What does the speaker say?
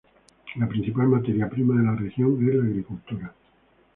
La principal materia prima de la región es la agricultura.